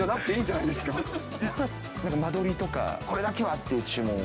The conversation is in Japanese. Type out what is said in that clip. なんか間取りとか、これだけはっていう注文を。